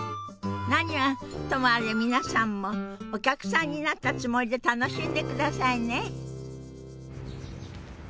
何はともあれ皆さんもお客さんになったつもりで楽しんでくださいね。